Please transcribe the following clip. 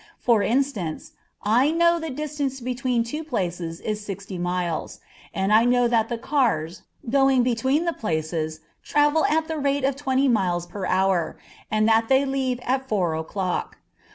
For instance, I know the distance between two places is sixty miles, and I know that the cars, going between the places, travel at the rate of twenty miles an hour, and that they leave at four o'clock.